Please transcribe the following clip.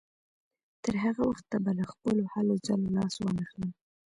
تر هغه وخته به له خپلو هلو ځلو لاس وانهخلم.